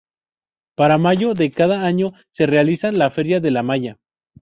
Para mayo de cada año se realizan las Feria de La Maya.